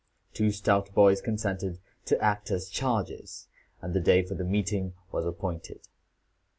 Two stout boys consented to act as chargers, and the day for the meeting was appointed.